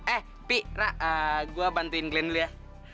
eh pi ra gue bantuin kelen dulu ya